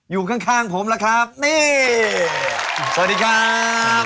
อยู่ข้างผมละครับสวัสดีครับ